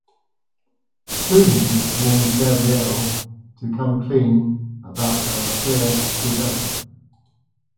Susan warns Gabrielle to come clean about her affair to Helen.